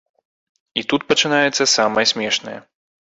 І тут пачынаецца самае смешнае.